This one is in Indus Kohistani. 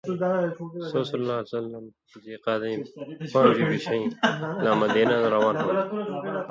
سو ﷺ ذی قعدَیں پان٘ژُوئ بیۡشَیں لا مدینہ نہ روان ہُون٘دوۡ؛